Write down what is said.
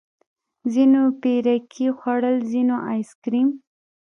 ځينو پيركي خوړل ځينو ايس کريم.